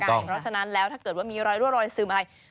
เพราะฉะนั้นแล้วถ้าเกิดว่ามีรอยรั่วรอยซึมอะไร